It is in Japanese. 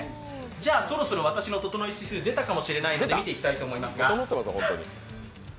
じゃあそろそろ私のととのい指数、出たかもしれないので見ていきます。